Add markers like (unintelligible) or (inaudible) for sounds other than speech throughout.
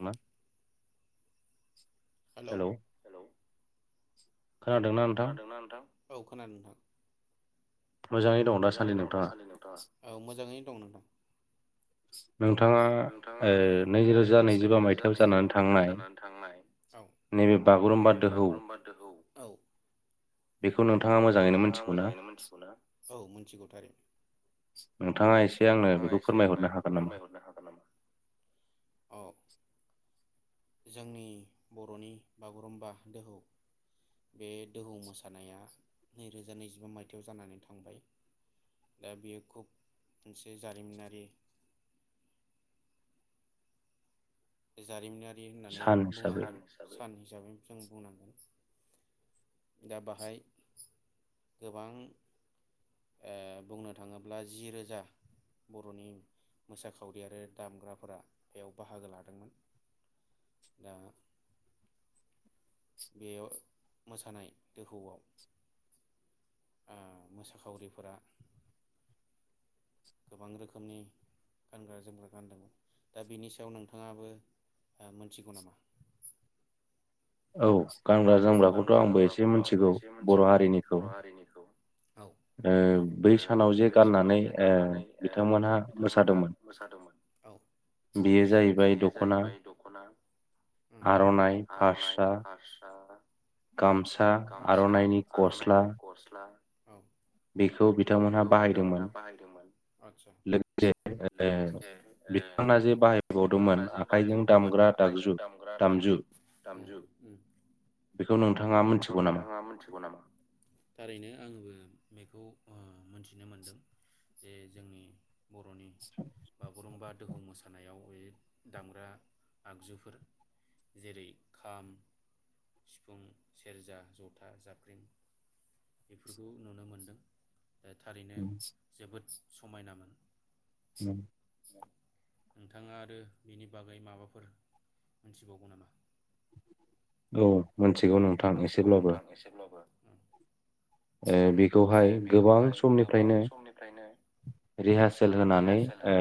मा हेलौ खोनादोंना नोंथां? औ खोनादों नोंथां। औ मोजाङैनो दं नोंथां। नोंथाङा ओ नैरोजा नैजिबा मायथाययाव जानानै थांनाय औ नैबे बागुरुम्बा दोहौ औ बेखौ नोंथाङा मोजाङैनो मिथिगौ ना? थिग थारै नोंथाङा एसे आंनो बेखौ फोरमायहरनो हागोन नामा? अ जोंनि बर'नि बागुरुम्बा दोहौ बे दोहौ मोसानाया नैरोजा नैजिबा मायथाइयाव जानानै थां बाय दा बेयो खुब मोनसे जारिमिनारि। जारिमिना रि होननानै बुंनो हागोन सान हिसाबै। जों बुंनांगोन। दा बाहाय गोबां ओ बुंनो थाङोब्ला जि रोजा बर'नि मोसाखावरि आरो दामग्राफोरा बेयाव बाहागो लादोंमोन। दा बेयाव मोसानाय दोहौआव ओ मोसाखावरिफोरा गोबां रोखोमनि गानग्रा जोमग्रा गानदोंमोन दा बिनि सायाव नोंथाङाबो ओ मोनथिगौ नामा? औ गानग्रा जोमग्राखौथ' आंबो एसे मोनथिगौ बर' हारिनिखौ। ओ बै सानाव जे गाननानै ओ बिथांमोनहा मोसादोंमोन बेयो जाहैबाय दखना आरनाइ फास्रा। गामसा आरनाइनि गस्ला। ला। बेखौ बिथांमोनहा बाहायदोंमोन। आदसा लोगोसे ओ बिथांना जे बाहायबावदोंमोन आखाइजों दामग्रा दागजु दामजु। बेखौ नोंथाङा मोनथिगौ नामा थारैनो आंबो बेखौ। ओ मोनथिनो मोनदों जे जोंनि। बर'नि बागुरुम्बा। दोहौ मोसानायाव बे दामग्रा आगजुफोर जेरै- खाम सिफुं सेरजा जथा जाबख्रिं बेफोरखौ नुनो मोनदों। थारैनो जोबोद समायनामोन। उम। नोंथाङा आरो बेनि बागै माबाफोर मोनथिबावगौ नामा? औ मोनथिगौ नोंथां एसेब्लाबो ओ बिखौहाय गोबां समनिफ्रायनो रिहारसेल होनानै ओ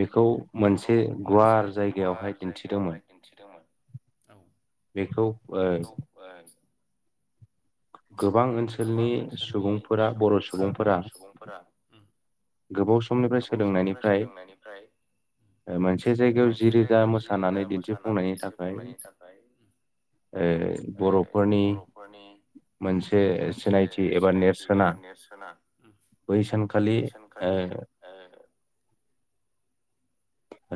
बेखौ मोनसे गुवार जायगायावहाय दिन्थिदोंमोन बेखौ ओ गोबां ओनसोलनि सुबुंफोरा बर' सुबुंफोरा गोबाव समनिफ्राय सोलोंनायनिफ्राय मोनसे जायगायाव जि रोजा मोसानानै दिन्थिफुंनायनि थाखाय ओ बर'फोरनि मोनसे मोनसे सिनायथि एबा नेरसोना बैसानखा। (unintelligible)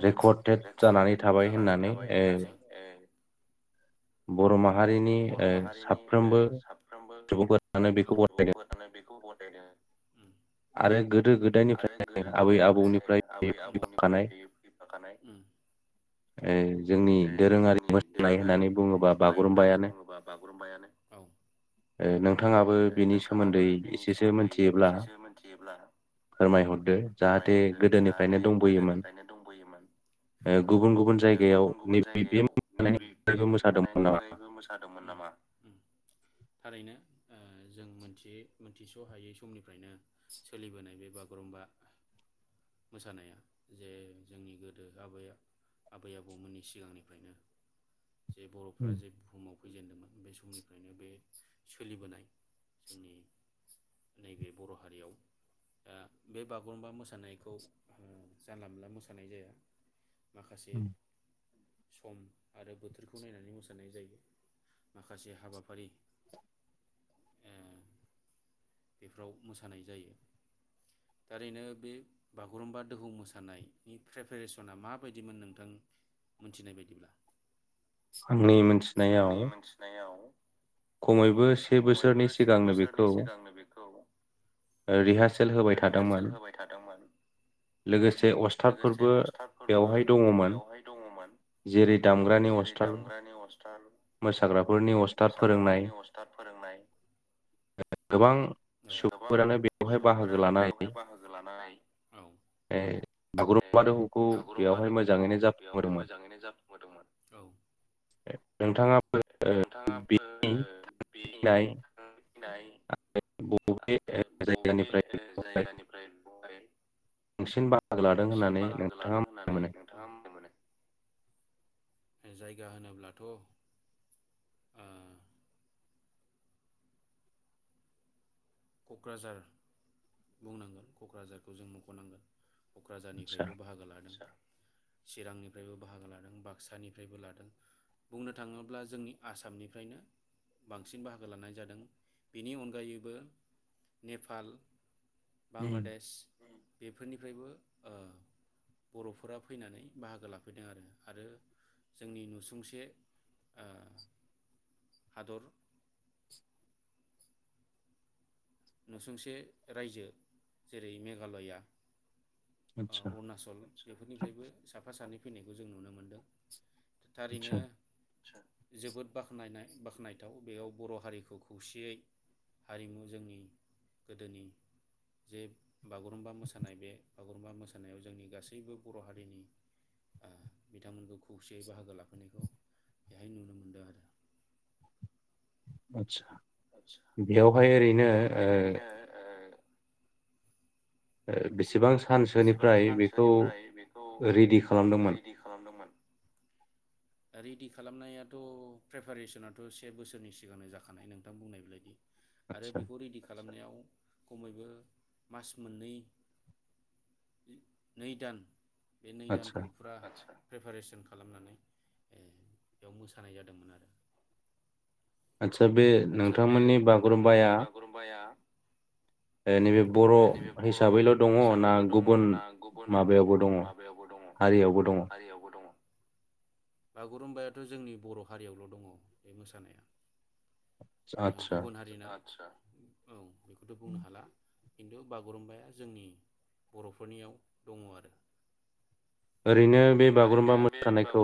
रेकर्डेड जानानै थाबाय होननानै। बर' माहारिनि साफ्रोमबो सुबुंफोरानो बेखौ बरायगोन। बेनो। आरो गोदो गोदायनिफ्राय आबै आबौनिफ्राय फैफाखानाय। ओ जोंनि दोरोङारि मोसानाय होननानै बुङोबा बागुरुम्बायानो नोंथाङाबो बिनि सोमोन्दै एसेसो मिथियोब्ला। मिथियोब्ला फोरमायहरदो जाहाथे गोदोनिफ्रायनो दंबोयोमोन। गुबुन गुबुन जायगायाव नैबे बे मानायनि अनगायैबो मोसादोंमोन नामा। थारैनो जोंथिय मोनथिस हायै समनिफ्रायनो सोलिबोनाय बे बागुरुम्बा मोसानाया जे जोंनि गोद गोदो आब आबै आबौमोननि सिगांनिफ्रायनो। जे बर'फ्रा जे बुहुमाव। फैजेनदोंमोन बे समनिफ्रायनो बे सोलिबोनाय जोंनि नैबे बर हारियाव दा बे बागुरुमबा मोसानायखौ जानला मोनला मोसानाय जाया। माखासे। सम आरो बोथोरखौ नायनानै मोसानाय जायो माखासे हाबाफारि। बेफोराव मोसानाय जायो थारैनो बे बागुरुम्बा दोहौ मोसानायनि प्रेपेरेसना माबायदिमोन नोंथां मोनथिनाय बायदिब्ला। आंनि मोनथिनायाव खमैबो से बोसोरनि सिगांनो बेखौ रिहारसेल होबाय थादोंमोन लोगोसे अस्थादफोरबो बेवहाय दङमोन जेरै दामग्रानि अस्थ मोसाग्राफोरनि अस्थाद फोरोंनाय गोबां गोबां सुबुंफोरानो बेवहाय बाहागो लानाय बे बागुरुमबा हौखौ बेवहाय मोजाङैनो जाफुंहोदोंमोन। नोंथाङाबो बिनि थैनाय (unintelligible) बबे जायगानिफ्राय बांसिन बाहागो लादों होननानै नोंथाङा मिथिनो मोनो। जायगा होनोब्लाथ कक्राझार बुंनांगोन कक्राझारखौ जों मखनांगोन। कक्राझारनिफ्रायबो बाहागो लादों। चिरांनिफ्रायबो बाहागो लादों बाक्सानिफ्रायबो लादों बुंनो थाङोब्ला जोंनि आसामनिफ्रायनो बांसिन बाहागो लानाय जादों बेनि अनगायैबो। नेपाल। बांलादेश। बेफोरनिफ्रायबो ओ बर'फोरा फैनानै बाहागो लाफैदों आरो आरो जोंनि नुसुंसे ओ हादर। नुसुंसे रायजो जेरै मेघालया। अरुणाचलफोरनिफ्रायबो साफा सानै। फैनायखौ जों नुनो मोन्दों। थारैनो जोबोद बाखनायनाय बाख्नायथाव बेयाव बर हारिखौ खौसेयै हारिमु जोंनि गोदोनि जे बागुरुम्बा मोसानाय बे बागुरुम्बा मोसानायाव जोंनि गासैबो बर' हारिनि आ बिथांमोनखौ खौसेयै बाहागो लाफैनायखौ बेहाय नुनो मोनदों आरो आतसा आसा बेयावहाय ओरैनो ओ औ बेसेबां सानसोनिफ्राय बेखौ रेदि खालामदोंमोन थि खालामनायाथ प्रिपेरेसनाथ से बोसोरनि सिगांनो जाखानाय नोंथां बुंनाय बेलायदि आरो बेखौ रेडि खालामनायाव खमैबो मास मोननै नै दान बे नै दानखौ फुरा आतसा प्रिपारेसन खालामनानै बेयाव मोसानाय जादोंमोन आरो आदसा बे नोंथांमोननि बागुरुम्बाया नैबे बर हिसाबैल दङ ना गुबुन माबायावबो दङ हारियावबो दङ बागुरुमबायाथ' जोंनि बर' हारियावल दङ बे मोसानाया गुबुन हारिनो सा औ‌ बेखौथ' बुंनो हाला खिन्थु बागुरुम्बाया जोंनि बर'फोरनियाव दङ आरो ओरैनो बे बागुरुम्बा मोसानायखौ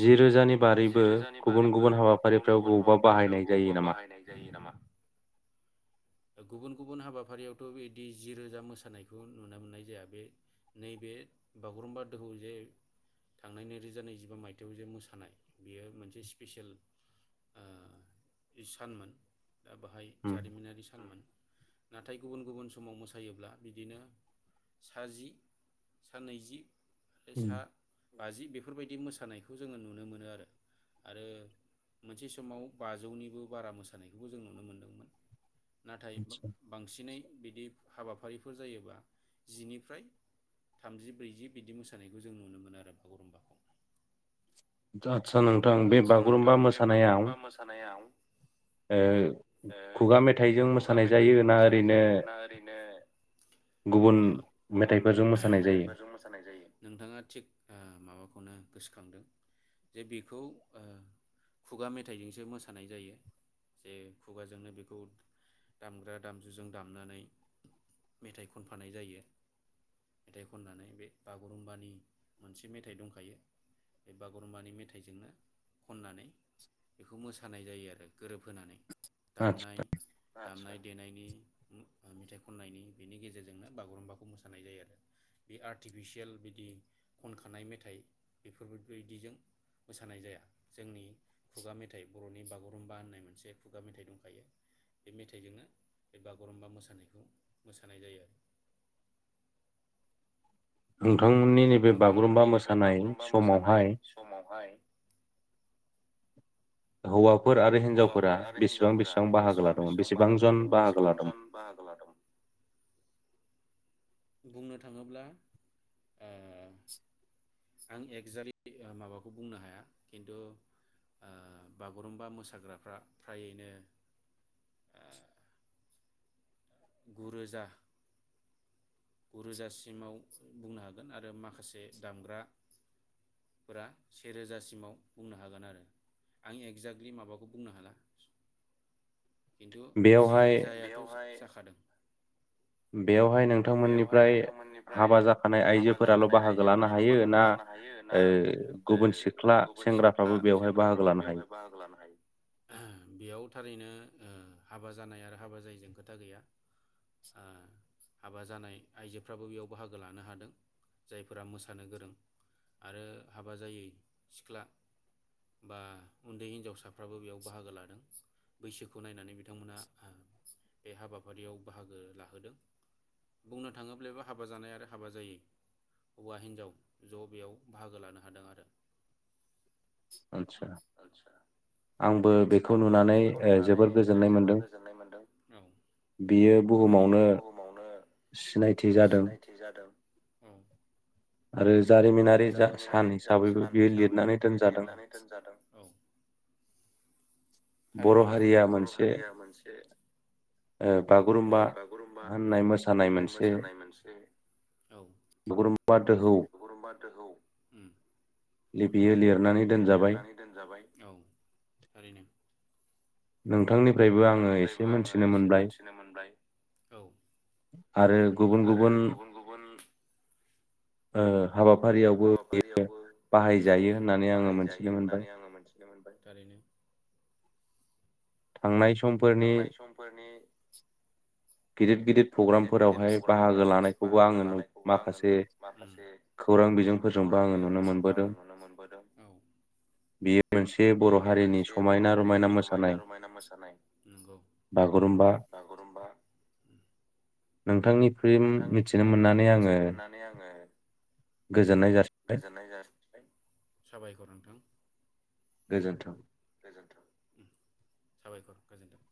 जि रोजानि बारैबो गुबुन गुबुन हाबाफारिफ्राव बबेबा बाहायनाय बबावबा बाहायनाय जायो नामा गुबुन गुबुन हाबाफारियावथ' बिदि जिरोजा मोसानायखौ नुनो मोननाय जायाखै नैबे बागुरुम्बा दोहौ जे थांनाय नैरोजा नैजिबा मायथाइयाव जे मोसानाय बेयो मोनसे सिपेसियेल ओ सानमोन। दा बेहाय जारिमिनारि सानमोन। नाथाय गुबुन गुबुन समाव मोसायोब्ला बिदिनो साजि साानैैजि सा बाजि बेफोरबायदि मोसानायखौ जोङो नुनो मोनो आरो आरो मोनसे समाव बाजौनिबो बारा मोसानायखौबो जों नुनो मोनदोंमोन। नाथाय बांसिनै बिदि हाबाफारिफोर जायोबा जिनिफ्राय थामजि ब्रैजि बिदि मोसानायखौ जों नुनो मोनो आरो बागुरुम्बाखौ। आदसा नोंथां बे बागुरुम्बा मोसानाया ओ खुगा मेथाइजों मोसानाय जायो ना ओरैनो गुबुन मेथाइफोरजों मोसानाय जायो नोंथाङा ओ माबाखौनो गोसोखांदों। जे बेखौ ओ खुगा मेथाइजोंसो मोसानाय जायो जे खुगाजोंनो बेखौ दामग्रा दामजुजों दामनानै मेथाइ खनफानाय जायो, मेथाइ खननानै बे बागुरुम्बानि मोनसे मेथाइ दंखायो बे बागुरुम्बानि मेथाइ मेथाइजोंनो खननानै बेखौ मोसानाय जायो आरो गोरोबहोनानै। दामनाय (unintelligible) देनायनि मेथाइ खननायनि बेनि गेजेरजोंनो बागुरुम्बाखौ मोसानाय जायो आरो बे आर्टिफिसियेल बिदि खनखानाय मेथाइ बेफोर बायदिजों मोसानाय जाया जोंनि खुगा मेथाइ बर'नि बागुरुम्बा होननाय मोनसे खुगा मेथाइ दंखायो, बे मेथाइजोंनो बे बागुरुम्बा मोसानायखौ मोसानाय जायो आरो। ओं नोंथांमोननि नैबे बागुरुम्बा मोसानाय समावहाय (unintelligible) हाफोर आरो हिनजावफोरा बेसेबां बेसेबां बाहागो लादोंमोन बेसेबां जन बाहागो लादोंमोन? बुंनो थाङोब्ला ओ इसां एकजाकलि माबाखौ बुंनो हाया खिन्थु बागुरुम्बा मोसाग्राफ्रा फ्रायैनो ओ गुरोजा गुरोजासिमाव बुंनो हागोन आरो माखासे दामग्राफोरा सेेरोजासिमाव बुंनो हागोन आरो आं एक्जेक्टलि माबाखौ बुंनो हाला खिन्थु जि रोजायावहाय जाखा खादों बेवहाय नोंथांमोननिफ्राय हाबा जाखानाय आइजोफोराल बाहागो लानो हायो, ना ओ गुबुन सिख्ला सेंग्राफ्राबो बेवहाय बाहागो लानो हायो? बेयाव थारैनो ओ हाबा जानाय आरो हाबा जायैजों खोथा गैया आ हाबा जानाय आइजोफ्राबो बेयाव बाहागो लानो हादों जायफोरा मोसानो गोरों आरो हाबा जायै सिख्ला बा उन्दै हिनजावसाफ्राबो बेयाव बाहागो लादों बैसोखौ नायनानै बिथांमोना बे हाबाफारियाव बाहागो लाहोदों। बुंनो थाङोब्लाबो हाबा जानाय आरो हाबा जायै हौवा हिनजाव ज बेयाव बाहागो लानो हादों आरो। आदसा आंबो बेखौ नुनानै ओ जोबोर गोजोननाय मोनदों। बियो बुहुमावनो सिनायथि जादों। उम आरो जारिमिनारि जा सान हिसाबैबो बियो लिरनानै दोनजादों। औ, थारैनो बाख्नायथाव बर' हारिया मोनसे बागुरुमबा होननाय मोसानाय मोनसे औ बागुरुमबा दोहौ, उम लिप जे बियो लिरनानै दोनजाबाय। औ, थारैनो नोंथांनिफ्रायबो आङो एसे मोनथिनो मोनबाय। औ, आरो गुबुन गुबुन ओ हाबाफारियावबो बाहायजायो होननानै आङो मोनथिनो मोनबाय। थारैनो, थांनाय सम थांनाय समफोरनि गिदिर गिदिर प्रग्रामफोरावहाय बाहागो लानायखौबो आङो नु माखासे खौरां बिजोंफोरजोंबो आङो नुनो मोनबोदों। बेयो मोनसे बेयो मोनसे बर'हारिनि समायना रमायना मोसानाय। नंगौ, बागुरुमबा। (inaudible) नोंथांनि फ्राय मिथिनो मोननानै आङो गोजोननाय जासिबाय, साबायखर नोंथां। गोजोन्थों। नोंथां ओम साबायखर गोजोन्थों।